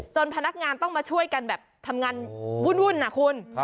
พนักงานต้องมาช่วยกันแบบทำงานวุ่นนะคุณ